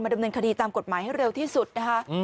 ดำเนินคดีตามกฎหมายให้เร็วที่สุดนะคะ